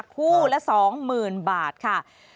คู่ละ๒๐๐๐บาทค่ะ